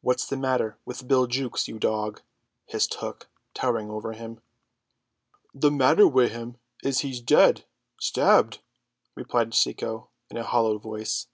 "What's the matter with Bill Jukes, you dog?" hissed Hook, towering over him. "The matter wi' him is he's dead, stabbed," replied Cecco in a hollow voice.